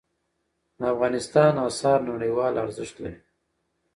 د افغانستان آثار نړیوال ارزښت لري.